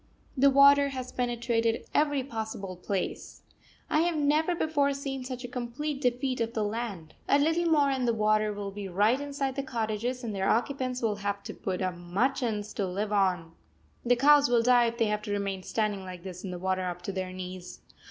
The water has penetrated every possible place. I have never before seen such a complete defeat of the land. A little more and the water will be right inside the cottages, and their occupants will have to put up machans to live on. The cows will die if they have to remain standing like this in water up to their knees.